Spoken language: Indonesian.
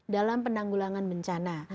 dalam penanggulangan bencana